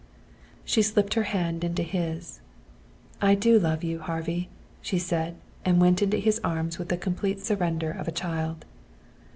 She slipped her hand into his. "I do love you, Harvey," she said, and went into his arms with the complete surrender of a child.